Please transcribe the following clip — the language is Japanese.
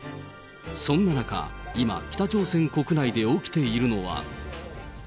そんな中、今、北朝鮮国内で起きているのは。